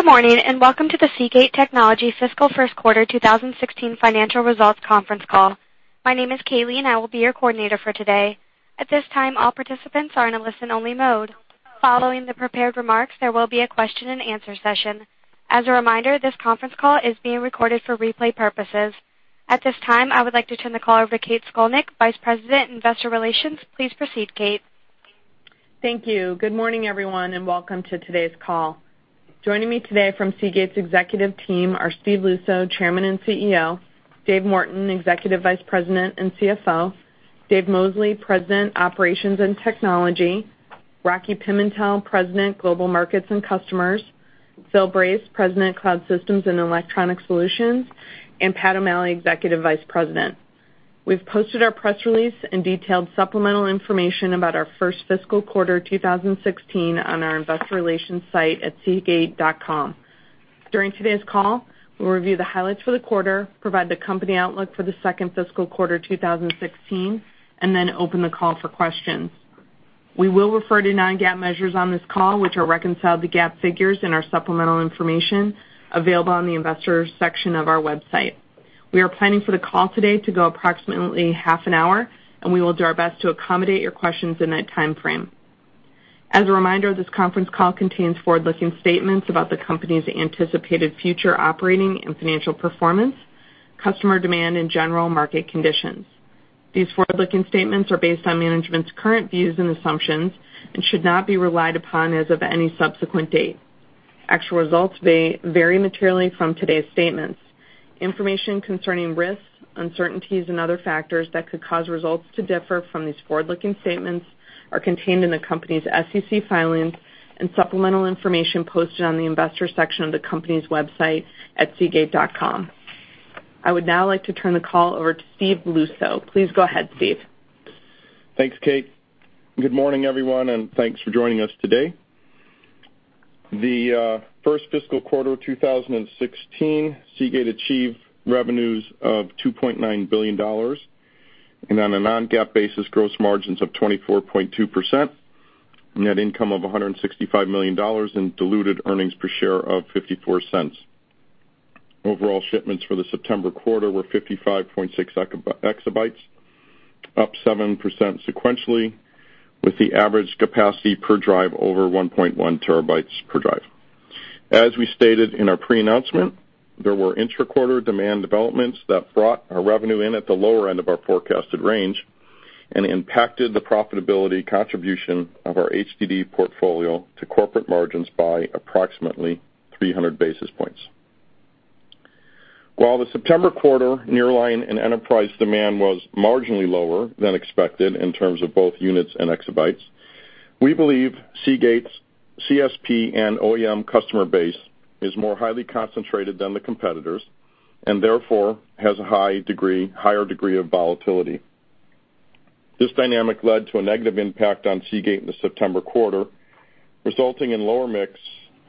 Good morning, and welcome to the Seagate Technology fiscal first quarter 2016 financial results conference call. My name is Kaylee, and I will be your coordinator for today. At this time, all participants are in a listen-only mode. Following the prepared remarks, there will be a question and answer session. As a reminder, this conference call is being recorded for replay purposes. At this time, I would like to turn the call over to Kate Scolnick, Vice President, Investor Relations. Please proceed, Kate. Thank you. Good morning, everyone, and welcome to today's call. Joining me today from Seagate's executive team are Steve Luczo, Chairman and CEO; David Morton, Executive Vice President and CFO; Dave Mosley, President, Operations and Technology; Rocky Pimentel, President, Global Markets and Customers; Phil Brace, President, Cloud Systems and Electronic Solutions; and Patrick O'Malley, Executive Vice President. We've posted our press release and detailed supplemental information about our first fiscal quarter 2016 on our investor relations site at seagate.com. During today's call, we'll review the highlights for the quarter, provide the company outlook for the second fiscal quarter 2016, then open the call for questions. We will refer to non-GAAP measures on this call, which are reconciled to GAAP figures in our supplemental information available on the Investors section of our website. We are planning for the call today to go approximately half an hour, and we will do our best to accommodate your questions in that timeframe. As a reminder, this conference call contains forward-looking statements about the company's anticipated future operating and financial performance, customer demand, and general market conditions. These forward-looking statements are based on management's current views and assumptions and should not be relied upon as of any subsequent date. Actual results may vary materially from today's statements. Information concerning risks, uncertainties, and other factors that could cause results to differ from these forward-looking statements are contained in the company's SEC filings and supplemental information posted on the Investors section of the company's website at seagate.com. I would now like to turn the call over to Steve Luczo. Please go ahead, Steve. Thanks, Kate. Good morning, everyone, and thanks for joining us today. The first fiscal quarter of 2016, Seagate achieved revenues of $2.9 billion, on a non-GAAP basis, gross margins of 24.2%, net income of $165 million, diluted earnings per share of $0.54. Overall shipments for the September quarter were 55.6 exabytes, up 7% sequentially, with the average capacity per drive over 1.1 terabytes per drive. As we stated in our pre-announcement, there were intra-quarter demand developments that brought our revenue in at the lower end of our forecasted range and impacted the profitability contribution of our HDD portfolio to corporate margins by approximately 300 basis points. While the September quarter nearline and enterprise demand was marginally lower than expected in terms of both units and exabytes, we believe Seagate's CSP and OEM customer base is more highly concentrated than the competitors and therefore has a higher degree of volatility. This dynamic led to a negative impact on Seagate in the September quarter, resulting in lower mix,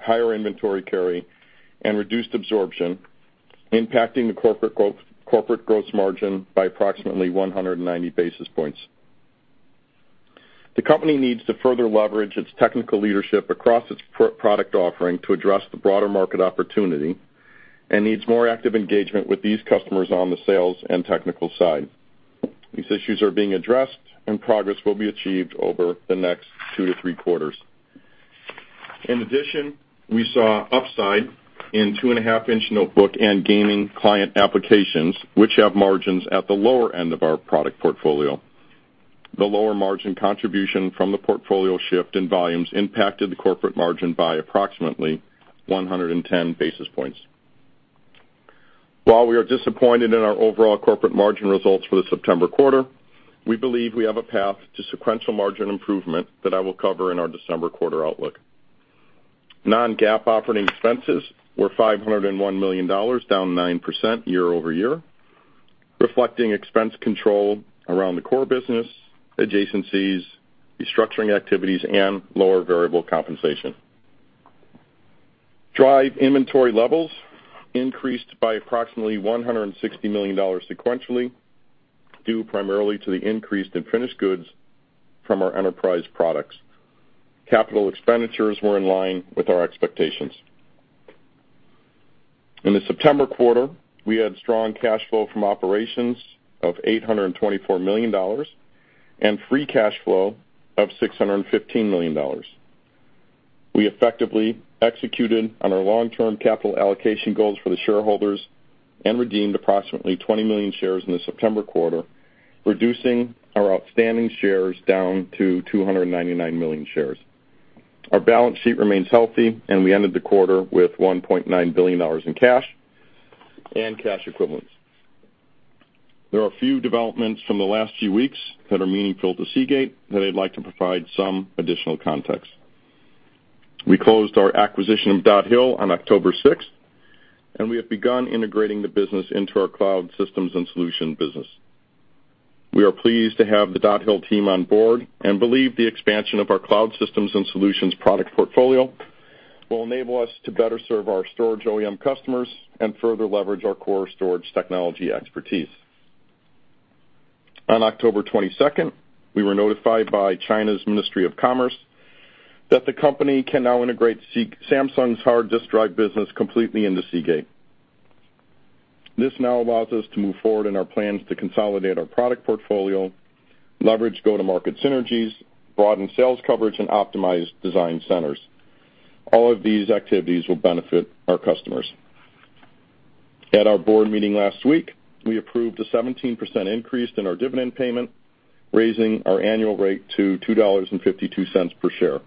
higher inventory carry, and reduced absorption, impacting the corporate gross margin by approximately 190 basis points. The company needs to further leverage its technical leadership across its product offering to address the broader market opportunity and needs more active engagement with these customers on the sales and technical side. These issues are being addressed and progress will be achieved over the next two to three quarters. In addition, we saw upside in two-and-a-half inch notebook and gaming client applications, which have margins at the lower end of our product portfolio. The lower margin contribution from the portfolio shift in volumes impacted the corporate margin by approximately 110 basis points. While we are disappointed in our overall corporate margin results for the September quarter, we believe we have a path to sequential margin improvement that I will cover in our December quarter outlook. Non-GAAP operating expenses were $501 million, down 9% year-over-year, reflecting expense control around the core business, adjacencies, restructuring activities, and lower variable compensation. Drive inventory levels increased by approximately $160 million sequentially, due primarily to the increase in finished goods from our enterprise products. Capital expenditures were in line with our expectations. In the September quarter, we had strong cash flow from operations of $824 million and free cash flow of $615 million. We effectively executed on our long-term capital allocation goals for the shareholders and redeemed approximately 20 million shares in the September quarter, reducing our outstanding shares down to 299 million shares. Our balance sheet remains healthy, and we ended the quarter with $1.9 billion in cash and cash equivalents. There are a few developments from the last few weeks that are meaningful to Seagate that I'd like to provide some additional context. We closed our acquisition of Dot Hill on October 6th, and we have begun integrating the business into our Cloud Systems and Solution Business. We are pleased to have the Dot Hill team on board and believe the expansion of our cloud systems and solutions product portfolio will enable us to better serve our storage OEM customers and further leverage our core storage technology expertise. On October 22nd, we were notified by China's Ministry of Commerce that the company can now integrate Samsung's hard disk drive business completely into Seagate. This now allows us to move forward in our plans to consolidate our product portfolio, leverage go-to-market synergies, broaden sales coverage, and optimize design centers. All of these activities will benefit our customers. At our board meeting last week, we approved a 17% increase in our dividend payment, raising our annual rate to $2.52 per share.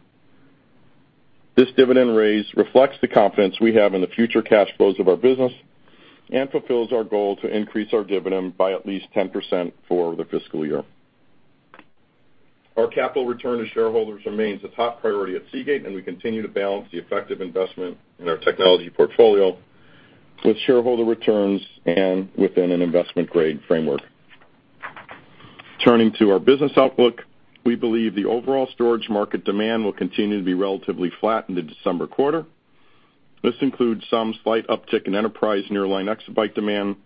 This dividend raise reflects the confidence we have in the future cash flows of our business and fulfills our goal to increase our dividend by at least 10% for the fiscal year. Our capital return to shareholders remains a top priority at Seagate, and we continue to balance the effective investment in our technology portfolio with shareholder returns and within an investment-grade framework. Turning to our business outlook, we believe the overall storage market demand will continue to be relatively flat in the December quarter. This includes some slight uptick in enterprise nearline exabyte demand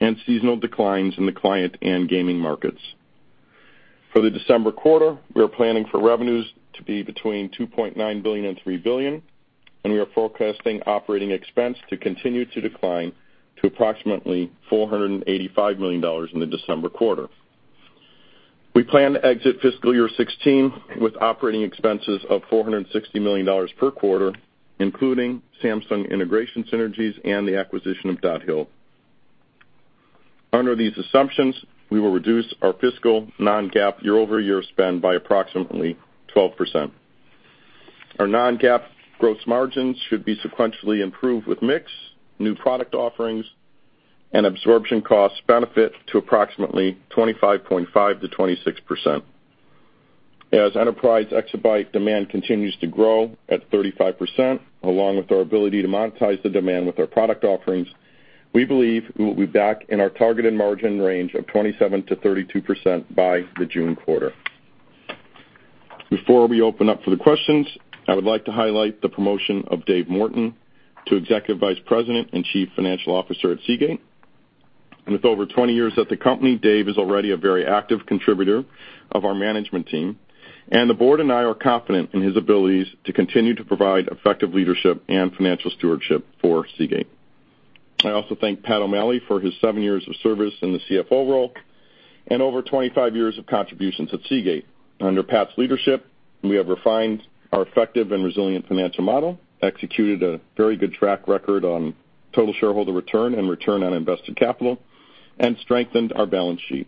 and seasonal declines in the client and gaming markets. For the December quarter, we are planning for revenues to be between $2.9 billion and $3 billion. We are forecasting operating expense to continue to decline to approximately $485 million in the December quarter. We plan to exit fiscal year 2016 with operating expenses of $460 million per quarter, including Samsung integration synergies and the acquisition of Dot Hill. Under these assumptions, we will reduce our fiscal non-GAAP year-over-year spend by approximately 12%. Our non-GAAP gross margins should be sequentially improved with mix, new product offerings, and absorption costs benefit to approximately 25.5%-26%. As enterprise exabyte demand continues to grow at 35%, along with our ability to monetize the demand with our product offerings, we believe we will be back in our targeted margin range of 27%-32% by the June quarter. Before we open up for the questions, I would like to highlight the promotion of Dave Morton to Executive Vice President and Chief Financial Officer at Seagate. With over 20 years at the company, Dave is already a very active contributor of our management team, and the board and I are confident in his abilities to continue to provide effective leadership and financial stewardship for Seagate. I also thank Pat O'Malley for his seven years of service in the CFO role and over 25 years of contributions at Seagate. Under Pat's leadership, we have refined our effective and resilient financial model, executed a very good track record on total shareholder return and return on invested capital, and strengthened our balance sheet.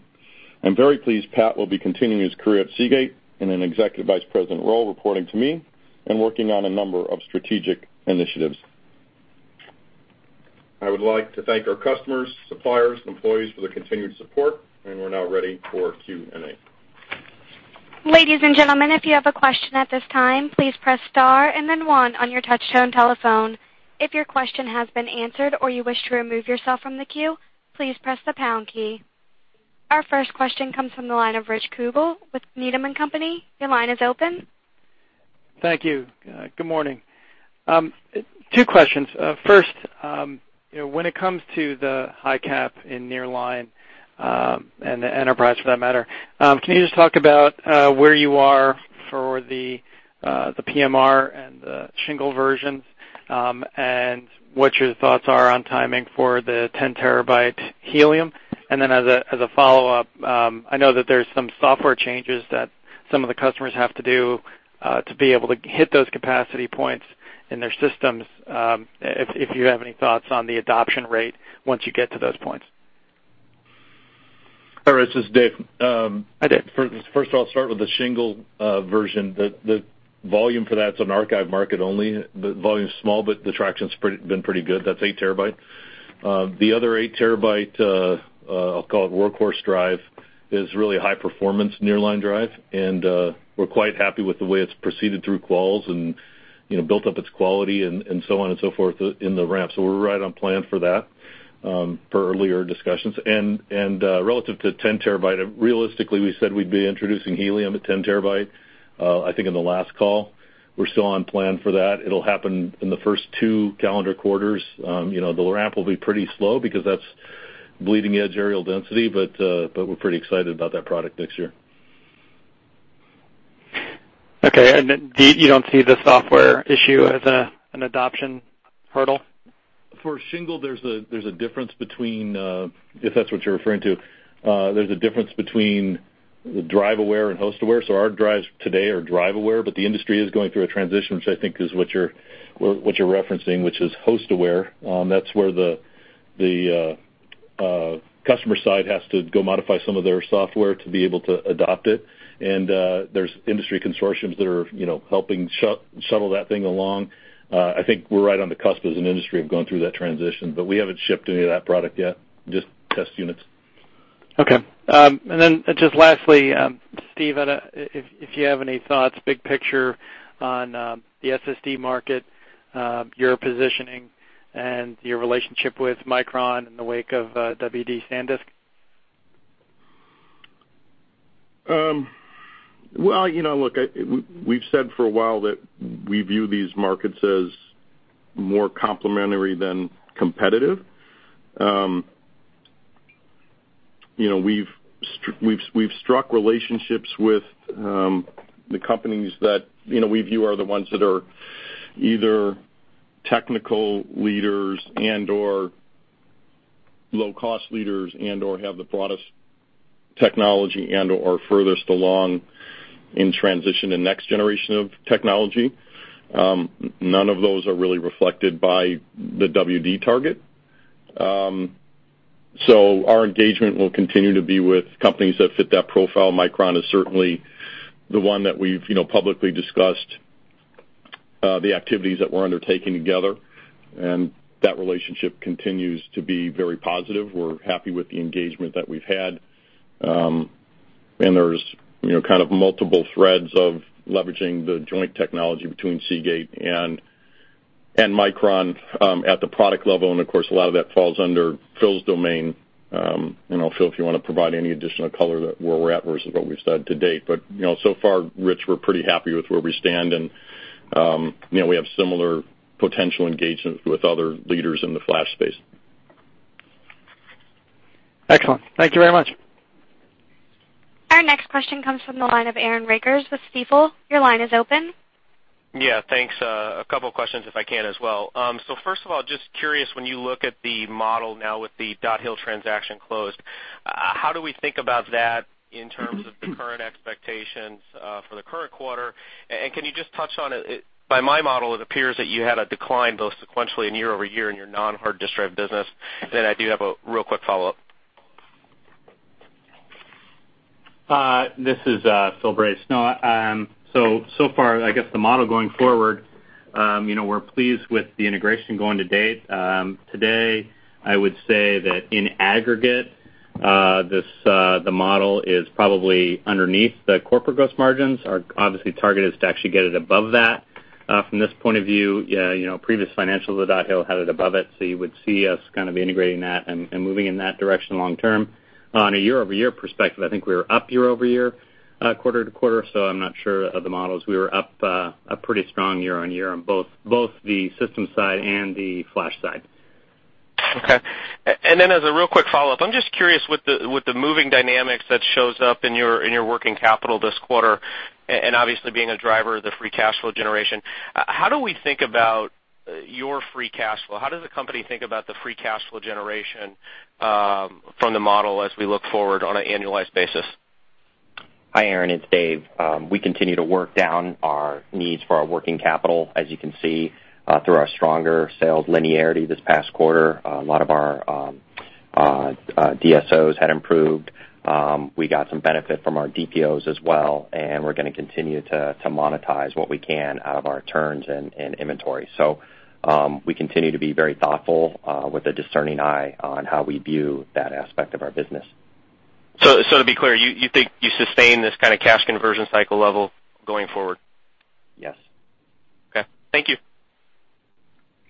I am very pleased Pat will be continuing his career at Seagate in an Executive Vice President role, reporting to me and working on a number of strategic initiatives. I would like to thank our customers, suppliers, employees for their continued support. We are now ready for Q&A. Ladies and gentlemen, if you have a question at this time, please press star and then one on your touchtone telephone. If your question has been answered or you wish to remove yourself from the queue, please press the pound key. Our first question comes from the line of Rich Kugele with Needham & Company. Your line is open. Thank you. Good morning. Two questions. First, when it comes to the high cap in nearline, and the enterprise for that matter, can you just talk about where you are for the PMR and the shingle versions, and what your thoughts are on timing for the 10 terabyte helium? As a follow-up, I know that there's some software changes that some of the customers have to do to be able to hit those capacity points in their systems. If you have any thoughts on the adoption rate once you get to those points. All right, this is Dave. Hi, Dave. First of all, I'll start with the shingle version. The volume for that's an archive market only. The volume's small, but the traction's been pretty good. That's eight terabyte. The other eight terabyte, I'll call it workhorse drive, is really a high-performance nearline drive, and we're quite happy with the way it's proceeded through quals and built up its quality and so on and so forth in the ramp. We're right on plan for that, per earlier discussions. Relative to 10 terabyte, realistically, we said we'd be introducing helium at 10 terabyte, I think, in the last call. We're still on plan for that. It'll happen in the first two calendar quarters. The ramp will be pretty slow because that's bleeding edge areal density, but we're pretty excited about that product next year. Okay, you don't see the software issue as an adoption hurdle? For shingle, if that's what you're referring to, there's a difference between drive-aware and host-aware. Our drives today are drive-aware, the industry is going through a transition, which I think is what you're referencing, which is host-aware. That's where the customer side has to go modify some of their software to be able to adopt it, there's industry consortiums that are helping shuttle that thing along. I think we're right on the cusp as an industry of going through that transition, we haven't shipped any of that product yet, just test units. Okay. Then just lastly, Steve, if you have any thoughts, big picture on the SSD market, your positioning, and your relationship with Micron in the wake of WD SanDisk. Well, look, we've said for a while that we view these markets as more complementary than competitive. We've struck relationships with the companies that we view are the ones that are either technical leaders and/or low-cost leaders and/or have the broadest technology and/or are furthest along in transition to next generation of technology. None of those are really reflected by the WD target. Our engagement will continue to be with companies that fit that profile. Micron is certainly the one that we've publicly discussed the activities that we're undertaking together, that relationship continues to be very positive. We're happy with the engagement that we've had. There's kind of multiple threads of leveraging the joint technology between Seagate and Micron at the product level, of course, a lot of that falls under Phil's domain. Phil, if you want to provide any additional color that where we're at versus what we've said to date. So far, Rich, we're pretty happy with where we stand, and we have similar potential engagement with other leaders in the flash space. Excellent. Thank you very much. Our next question comes from the line of Aaron Rakers with Stifel. Your line is open. Thanks. A couple of questions, if I can, as well. First of all, just curious, when you look at the model now with the Dot Hill transaction closed, how do we think about that in terms of the current expectations for the current quarter? Can you just touch on it, by my model, it appears that you had a decline both sequentially and year-over-year in your non-hard disk drive business. I do have a real quick follow-up. This is Phil Brace. So far, I guess the model going forward, we're pleased with the integration going to date. Today, I would say that in aggregate, the model is probably underneath the corporate gross margins. Our obviously target is to actually get it above that. From this point of view, previous financials of Dot Hill had it above it, you would see us kind of integrating that and moving in that direction long term. On a year-over-year perspective, I think we were up year-over-year, quarter-to-quarter, so I'm not sure of the models. We were up a pretty strong year-on-year on both the systems side and the flash side. Okay. As a real quick follow-up, I'm just curious with the moving dynamics that shows up in your working capital this quarter, and obviously being a driver of the free cash flow generation, how do we think about your free cash flow? How does the company think about the free cash flow generation from the model as we look forward on an annualized basis? Hi, Aaron, it's Dave. We continue to work down our needs for our working capital. As you can see, through our stronger sales linearity this past quarter, a lot of our DSOs had improved. We got some benefit from our DPOs as well, and we're going to continue to monetize what we can out of our turns and inventory. We continue to be very thoughtful with a discerning eye on how we view that aspect of our business. To be clear, you think you sustain this kind of cash conversion cycle level going forward? Yes. Okay. Thank you.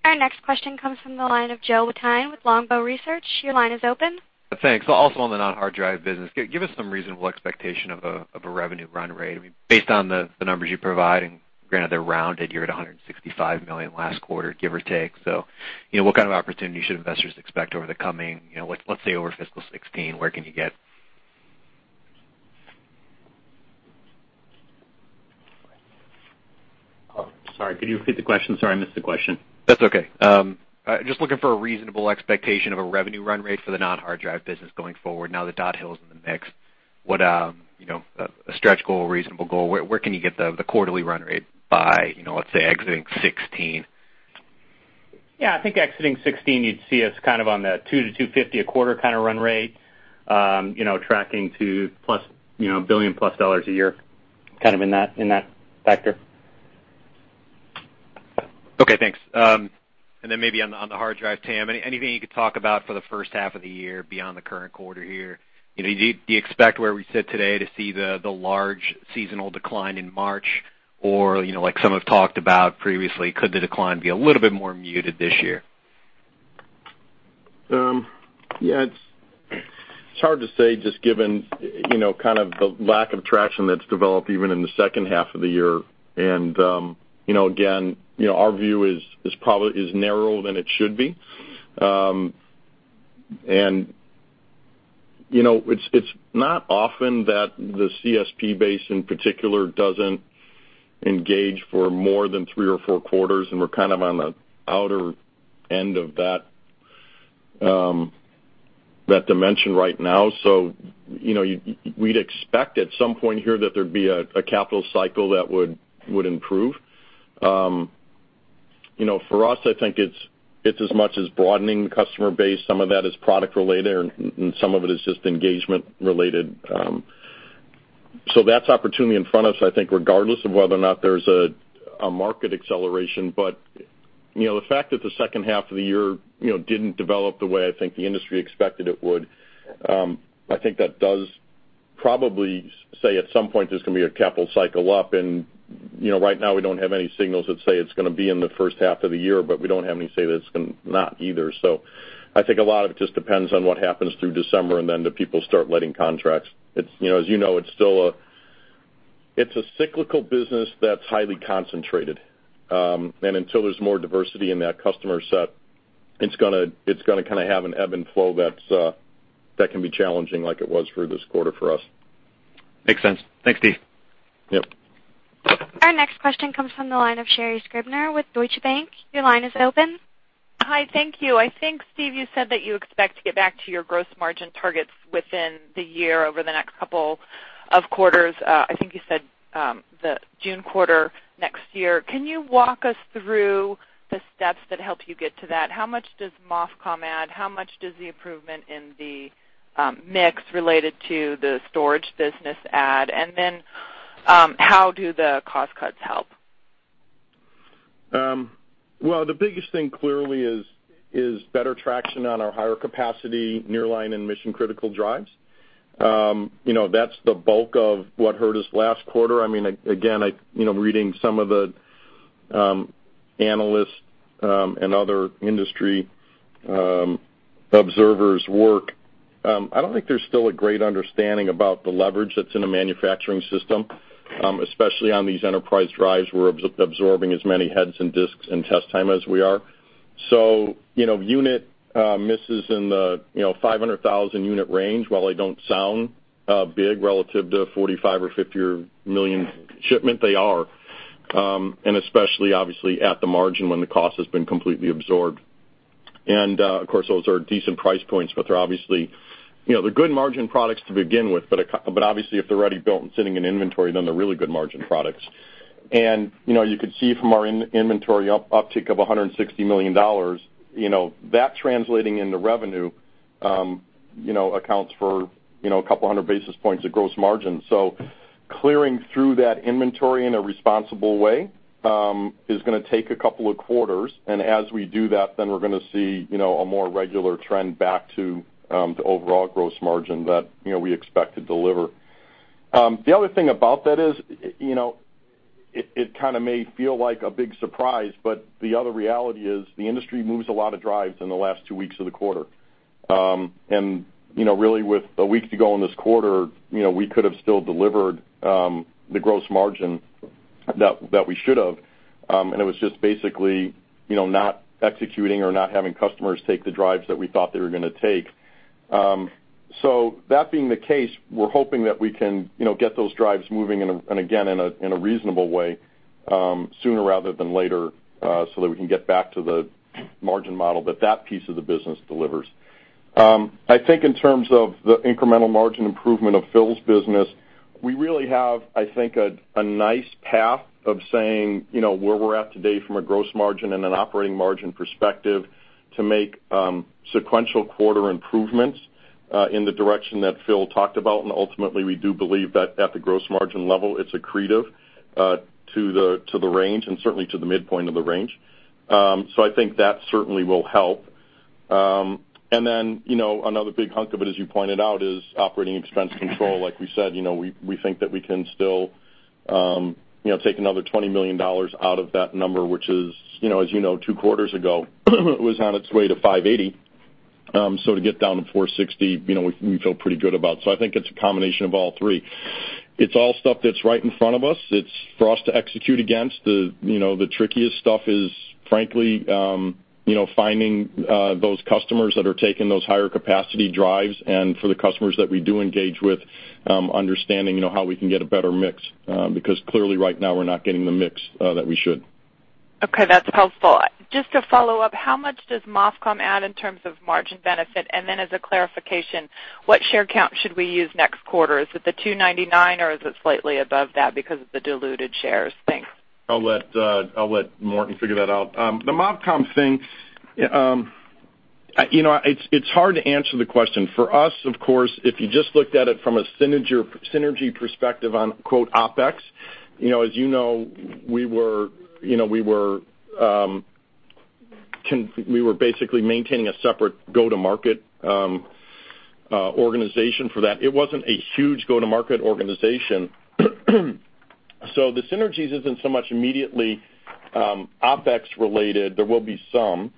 Our next question comes from the line of Joe Wittine with Longbow Research. Your line is open. Thanks. Also on the non-hard drive business, give us some reasonable expectation of a revenue run rate. Based on the numbers you provide, and granted they're rounded, you're at $165 million last quarter, give or take. What kind of opportunity should investors expect over the coming, let's say, over fiscal 2016, where can you get? Sorry. Could you repeat the question? Sorry, I missed the question. That's okay. Just looking for a reasonable expectation of a revenue run rate for the non-hard drive business going forward now that Dot Hill is in the mix. A stretch goal, reasonable goal, where can you get the quarterly run rate by, let's say, exiting 2016? Yeah. I think exiting 2016, you'd see us kind of on the $200-$250 a quarter kind of run rate, tracking to $1 billion+ a year, kind of in that factor. Okay, thanks. Then maybe on the hard drive, TAM, anything you could talk about for the first half of the year beyond the current quarter here? Do you expect where we sit today to see the large seasonal decline in March? Like some have talked about previously, could the decline be a little bit more muted this year? It's hard to say just given kind of the lack of traction that's developed even in the second half of the year. Again, our view is narrower than it should be. It's not often that the CSP base in particular doesn't engage for more than three or four quarters, and we're kind of on the outer end of that dimension right now. We'd expect at some point here that there'd be a capital cycle that would improve. For us, I think it's as much as broadening the customer base. Some of that is product related, and some of it is just engagement related. That's opportunity in front of us, I think regardless of whether or not there's a market acceleration. The fact that the second half of the year didn't develop the way I think the industry expected it would, I think that does probably say at some point there's going to be a capital cycle up. Right now, we don't have any signals that say it's going to be in the first half of the year, but we don't have any say that it's going to not either. I think a lot of it just depends on what happens through December, then do people start letting contracts. As you know, it's a cyclical business that's highly concentrated. Until there's more diversity in that customer set, it's going to have an ebb and flow that can be challenging like it was for this quarter for us. Makes sense. Thanks, Steve. Yep. Our next question comes from the line of Sherri Scribner with Deutsche Bank. Your line is open. Hi, thank you. I think, Steve, you said that you expect to get back to your gross margin targets within the year over the next couple of quarters. I think you said the June quarter next year. Can you walk us through the steps that help you get to that? How much does MOFCOM add? How much does the improvement in the mix related to the storage business add? How do the cost cuts help? The biggest thing clearly is better traction on our higher capacity nearline and mission-critical drives. That's the bulk of what hurt us last quarter. Again, reading some of the analysts' and other industry observers' work, I don't think there's still a great understanding about the leverage that's in a manufacturing system, especially on these enterprise drives. We're absorbing as many heads and disks and test time as we are. So unit misses in the 500,000-unit range, while they don't sound big relative to a 45 or 50 million shipment, they are. Especially obviously at the margin when the cost has been completely absorbed. Of course, those are decent price points, but they're good margin products to begin with, but obviously, if they're already built and sitting in inventory, then they're really good margin products. You could see from our inventory uptick of $160 million, that translating into revenue accounts for a couple of hundred basis points of gross margin. Clearing through that inventory in a responsible way is going to take a couple of quarters. As we do that, we're going to see a more regular trend back to the overall gross margin that we expect to deliver. The other thing about that is, it kind of may feel like a big surprise. The other reality is the industry moves a lot of drives in the last two weeks of the quarter. Really with a week to go in this quarter, we could have still delivered the gross margin that we should have. It was just basically not executing or not having customers take the drives that we thought they were going to take. That being the case, we're hoping that we can get those drives moving and again, in a reasonable way sooner rather than later, so that we can get back to the margin model that that piece of the business delivers. I think in terms of the incremental margin improvement of Phil's business, we really have, I think, a nice path of saying where we're at today from a gross margin and an operating margin perspective to make sequential quarter improvements in the direction that Phil talked about. Ultimately, we do believe that at the gross margin level, it's accretive to the range and certainly to the midpoint of the range. I think that certainly will help. Another big hunk of it, as you pointed out, is operating expense control. Like we said, we think that we can still take another $20 million out of that number, which is, as you know, two quarters ago was on its way to 580. To get down to 460, we feel pretty good about. I think it's a combination of all three. It's all stuff that's right in front of us. It's for us to execute against. The trickiest stuff is frankly finding those customers that are taking those higher capacity drives and for the customers that we do engage with, understanding how we can get a better mix because clearly right now we're not getting the mix that we should. Okay, that's helpful. Just to follow up, how much does MOFCOM add in terms of margin benefit? As a clarification, what share count should we use next quarter? Is it the 299 or is it slightly above that because of the diluted shares? Thanks. I'll let Morton figure that out. The MOFCOM thing, it's hard to answer the question. For us, of course, if you just looked at it from a synergy perspective on quote, "OpEx", as you know we were basically maintaining a separate go-to-market organization for that. It wasn't a huge go-to-market organization. The synergies isn't so much immediately OpEx related. There will be some.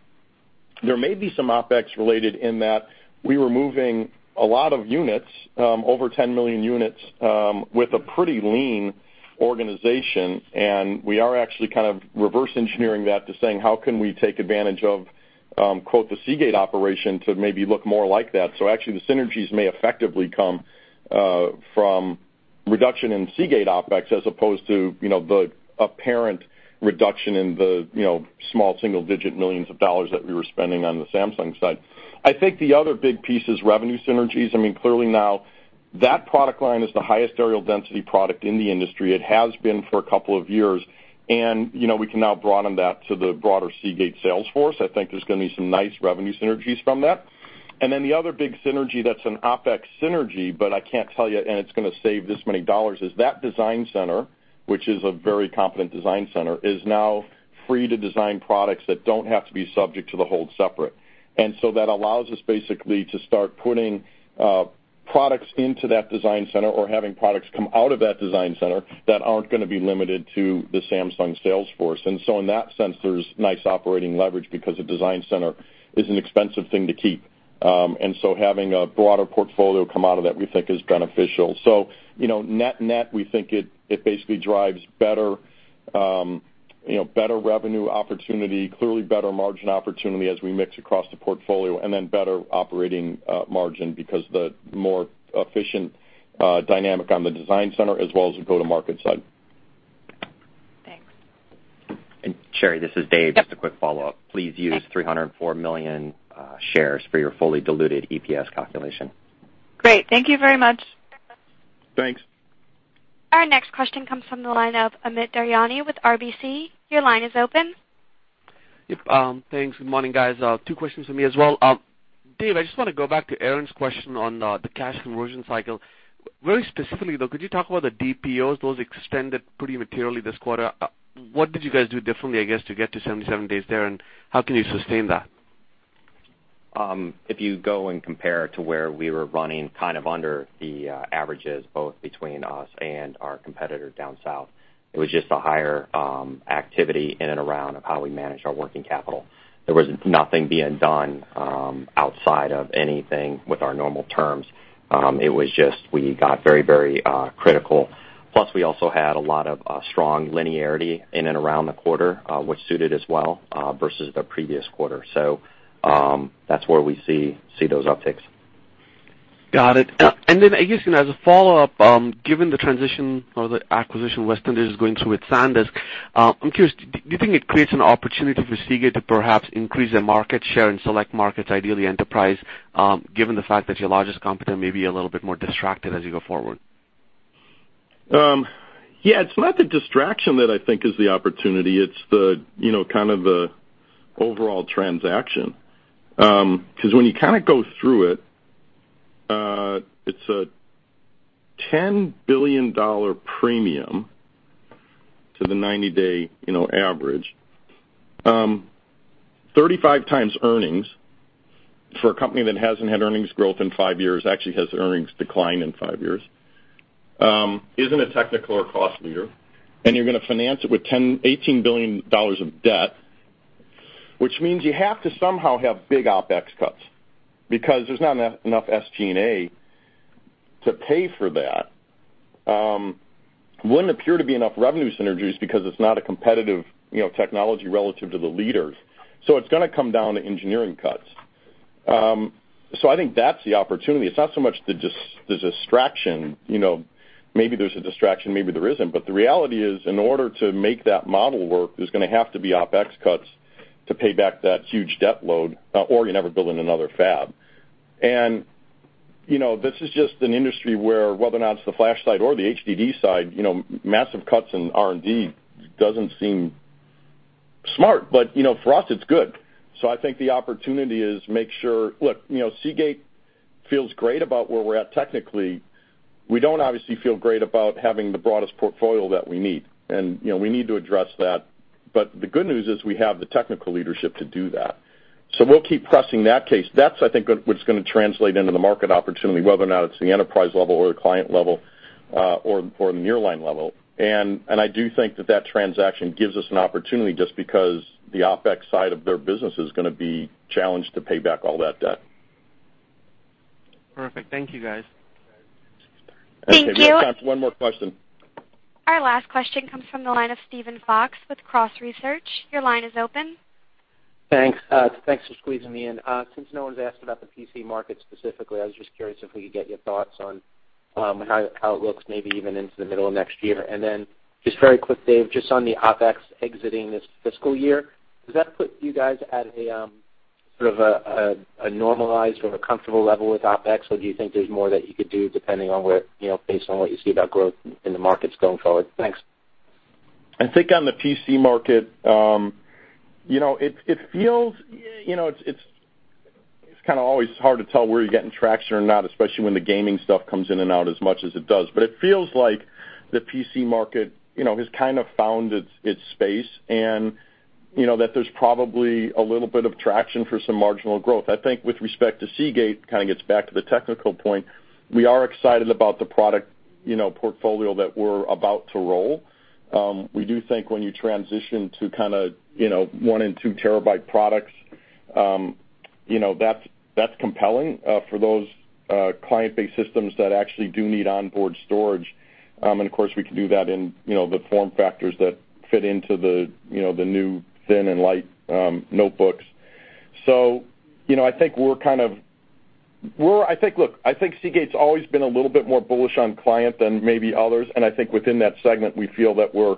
There may be some OpEx related in that we were moving a lot of units, over 10 million units, with a pretty lean organization, and we are actually kind of reverse engineering that to saying, how can we take advantage of, quote, "The Seagate operation" to maybe look more like that. Actually, the synergies may effectively come from reduction in Seagate OpEx as opposed to the apparent reduction in the small single-digit millions of dollars that we were spending on the Samsung side. I think the other big piece is revenue synergies. Clearly now, that product line is the highest areal density product in the industry. It has been for a couple of years, and we can now broaden that to the broader Seagate sales force. I think there's going to be some nice revenue synergies from that. Then the other big synergy that's an OpEx synergy, but I can't tell you, and it's going to save this many dollars, is that design center, which is a very competent design center, is now free to design products that don't have to be subject to the hold separate. So that allows us basically to start putting products into that design center or having products come out of that design center that aren't going to be limited to the Samsung sales force. So in that sense, there's nice operating leverage because the design center is an expensive thing to keep. So having a broader portfolio come out of that, we think is beneficial. Net-net, we think it basically drives better revenue opportunity, clearly better margin opportunity as we mix across the portfolio, and then better operating margin because the more efficient dynamic on the design center as well as the go-to-market side. Thanks. Sherri, this is Dave. Yep. Just a quick follow-up. Please use 304 million shares for your fully diluted EPS calculation. Great. Thank you very much. Thanks. Our next question comes from the line of Amit Daryanani with RBC. Your line is open. Yep. Thanks. Good morning, guys. Two questions from me as well. Dave, I just want to go back to Aaron's question on the cash conversion cycle. Very specifically, though, could you talk about the DPOs, those extended pretty materially this quarter. What did you guys do differently, I guess, to get to 77 days there, and how can you sustain that? If you go and compare it to where we were running kind of under the averages, both between us and our competitor down south, it was just a higher activity in and around of how we manage our working capital. There was nothing being done outside of anything with our normal terms. It was just we got very critical. Plus, we also had a lot of strong linearity in and around the quarter, which suited as well versus the previous quarter. That's where we see those upticks. Got it. I guess, as a follow-up, given the transition or the acquisition Western is going through with SanDisk, I'm curious, do you think it creates an opportunity for Seagate to perhaps increase their market share in select markets, ideally enterprise, given the fact that your largest competitor may be a little bit more distracted as you go forward? Yeah. It's not the distraction that I think is the opportunity. It's kind of the overall transaction. When you kind of go through it's a $10 billion premium to the 90-day average. 35 times earnings for a company that hasn't had earnings growth in five years, actually has earnings decline in five years, isn't a technical or cost leader, and you're going to finance it with $18 billion of debt, which means you have to somehow have big OpEx cuts because there's not enough SG&A to pay for that. Wouldn't appear to be enough revenue synergies because it's not a competitive technology relative to the leaders. It's going to come down to engineering cuts. I think that's the opportunity. It's not so much the distraction. Maybe there's a distraction, maybe there isn't. The reality is, in order to make that model work, there's going to have to be OpEx cuts to pay back that huge debt load, or you never build in another fab. This is just an industry where, whether or not it's the flash side or the HDD side, massive cuts in R&D doesn't seem smart. For us, it's good. I think the opportunity is make sure Look, Seagate feels great about where we're at technically. We don't obviously feel great about having the broadest portfolio that we need, and we need to address that. The good news is we have the technical leadership to do that. We'll keep pressing that case. That's I think what's going to translate into the market opportunity, whether or not it's the enterprise level or the client level, or nearline level. I do think that that transaction gives us an opportunity just because the OpEx side of their business is going to be challenged to pay back all that debt. Perfect. Thank you, guys. Okay, we have time for one more question. Our last question comes from the line of Steven Fox with Cross Research. Your line is open. Thanks. Thanks for squeezing me in. Since no one's asked about the PC market specifically, I was just curious if we could get your thoughts on how it looks maybe even into the middle of next year. Just very quick, Dave, just on the OpEx exiting this fiscal year, does that put you guys at sort of a normalized or a comfortable level with OpEx? Or do you think there's more that you could do depending on based on what you see about growth in the markets going forward? Thanks. I think on the PC market, it's kind of always hard to tell where you're getting traction or not, especially when the gaming stuff comes in and out as much as it does. It feels like the PC market has kind of found its space and that there's probably a little bit of traction for some marginal growth. I think with respect to Seagate, kind of gets back to the technical point. We are excited about the product portfolio that we're about to roll. We do think when you transition to kind of one and two terabyte products, that's compelling for those client-based systems that actually do need onboard storage. Of course, we can do that in the form factors that fit into the new thin and light notebooks. I think Seagate's always been a little bit more bullish on client than maybe others, and I think within that segment, we feel that we're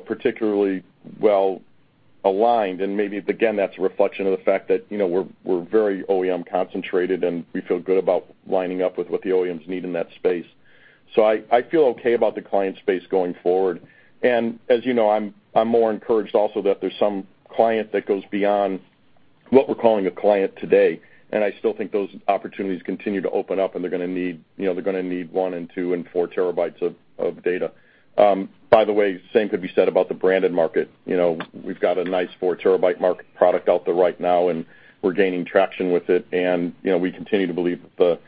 particularly well-aligned, and maybe, again, that's a reflection of the fact that we're very OEM concentrated, and we feel good about lining up with what the OEMs need in that space. I feel okay about the client space going forward. As you know, I'm more encouraged also that there's some client that goes beyond what we're calling a client today, and I still think those opportunities continue to open up, and they're going to need one and two and four terabytes of data. By the way, same could be said about the branded market. We've got a nice four terabyte market product out there right now, and we're gaining traction with it, and we continue to believe that the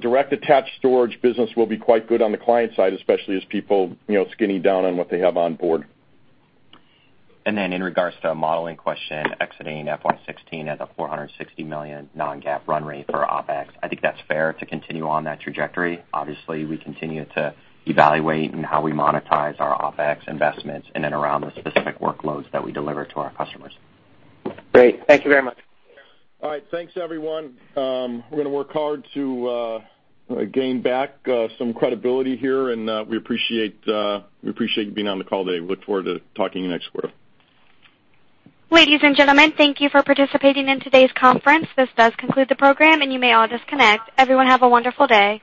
direct attached storage business will be quite good on the client side, especially as people skinny down on what they have on board. In regards to modeling question, exiting FY 2016 at the $460 million non-GAAP run rate for OpEx. I think that's fair to continue on that trajectory. Obviously, we continue to evaluate in how we monetize our OpEx investments around the specific workloads that we deliver to our customers. Great. Thank you very much. All right. Thanks, everyone. We're going to work hard to gain back some credibility here, we appreciate you being on the call today. Look forward to talking to you next quarter. Ladies and gentlemen, thank you for participating in today's conference. This does conclude the program, you may all disconnect. Everyone, have a wonderful day.